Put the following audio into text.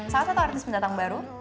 salah satu artis pendatang baru